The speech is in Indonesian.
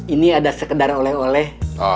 ini ada sekedar oleh oleh